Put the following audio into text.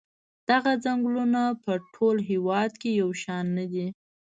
دغه څنګلونه په ټول هېواد کې یو شان نه دي.